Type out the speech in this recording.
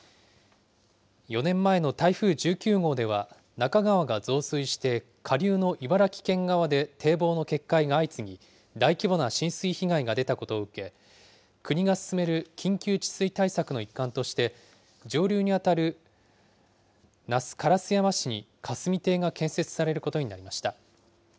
４年前の台風１９号では、那珂川が増水して下流の茨城県側で堤防の決壊が相次ぎ、大規模な浸水被害が出たことを受け、国が進める緊急治水対策の一環として、上流にあたる那須烏山市に霞堤が建設されることになりました。